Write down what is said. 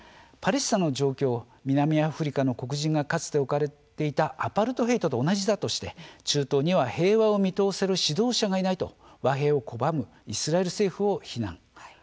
パレスチナの状況は南アフリカの黒人がかつて置かれていたアパルトヘイトと同じだと中東には平穏と平和を見通せる指導者がいないと和平を拒むイスラエル政府を非難。